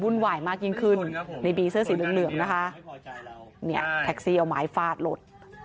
เนี่ยแท็กซี่เอาไม้ฟาดรถ